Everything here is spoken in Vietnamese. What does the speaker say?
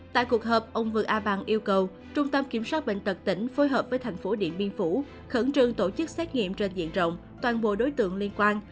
tại cuộc họp ông vương a bằng yêu cầu trung tâm kiểm soát bệnh tật tỉnh phối hợp với thành phố điện biên phủ khẩn trương tổ chức xét nghiệm trên diện rộng toàn bộ đối tượng liên quan